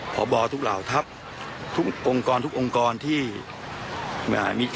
ผ่อบ่อทุกเหล่าทัพทุกองค์กรที่อ่ามีจิต